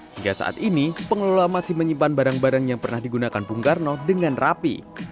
hingga saat ini pengelola masih menyimpan barang barang yang pernah digunakan bung karno dengan rapi